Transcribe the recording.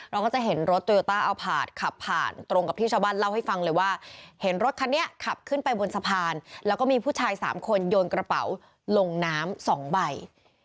เราก็จะเห็นรถโยต้าเอาผาดขับผ่านตรงกับที่ชาวบ้านเล่าให้ฟังเลยว่าเห็นรถคันนี้ขับขึ้นไปบนสะพานแล้วก็มีผู้ชายสามคนโยนกระเป๋าลงน้ำ๒ใบ